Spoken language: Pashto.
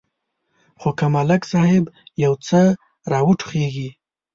خو که ملک صاحب یو څه را وټوخېږي.